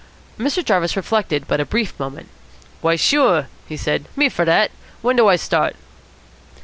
Mr. Jarvis reflected but a brief moment. "Why, sure," he said. "Me fer dat. When do I start?"